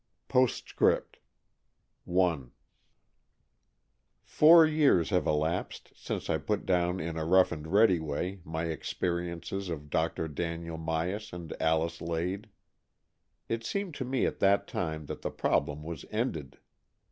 POSTSCRIPT I Four years have elapsed since I put down in a rough and ready way my experiences of Dr. Daniel Myas and Alice Lade. It seemed to me at that time that the problem was ended.